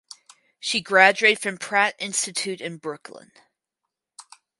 She graduated from Pratt Institute in Brooklyn.